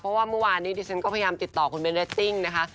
เพราะว่าเมื่อวานนี้ดิฉันก็พยายามติดต่อคุณเบนเรสซิ่งนะคะ